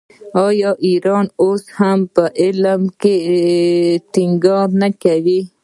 آیا ایران اوس هم په علم ټینګار نه کوي؟